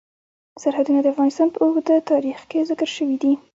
سرحدونه د افغانستان په اوږده تاریخ کې ذکر شوی دی.